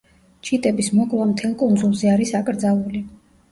ჩიტების მოკვლა მთელ კუნძულზე არის აკრძალული.